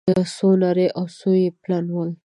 څو نري او څو يې پلن وه